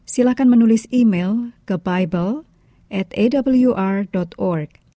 silakan menulis email ke bible awr org